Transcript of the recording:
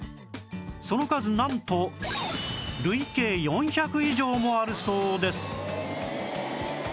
その数なんと累計４００以上もあるそうです